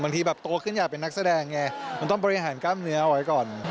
ที่แบบโตขึ้นอยากเป็นนักแสดงไงมันต้องบริหารกล้ามเนื้อไว้ก่อน